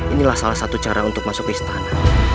inilah salah satu cara untuk masuk istana